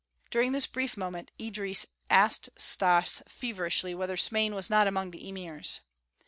During this brief moment Idris asked Stas feverishly whether Smain was not among the emirs.